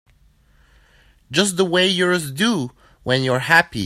Just the way yours do when you're happy.